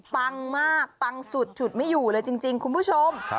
ปังมากปังสุดฉุดไม่อยู่เลยจริงคุณผู้ชม